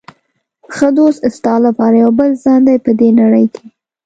ښه دوست ستا لپاره یو بل ځان دی په دې نړۍ کې.